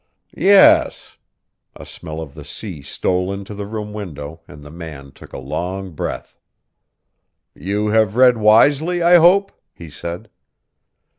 "Yes." A smell of the sea stole into the open window and the man took a long breath. "You have read wisely, I hope?" he said.